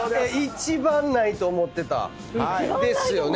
一番ないと思ってた。ですよね。